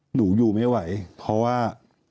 หนูอยู่ไม่ไหวเพราะว่า